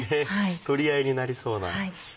取り合いになりそうな。